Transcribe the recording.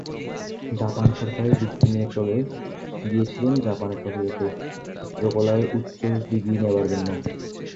Japan সরকারের বৃত্তি নিয়ে চলে গিয়েছিলেন জাপানের টোকিওতে, চিত্রকলায় উচ্চ ডিগ্রী নেবার জন্য।